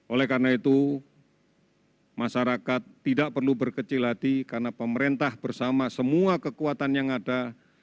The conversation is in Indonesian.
oleh karena itu masyarakat tidak perlu berkecil hati karena pemerintah bersama semua kekuatan yang ada